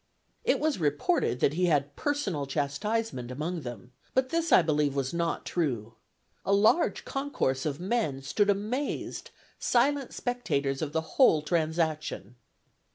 "It was reported that he had personal chastisement among them; but this, I believe, was not true. A large concourse of men stood amazed, silent spectators of the whole transaction."